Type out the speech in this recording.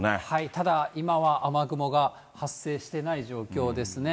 ただ今は雨雲が発生してない状況ですね。